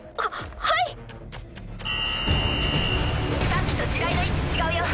さっきと地雷の位置違うよ。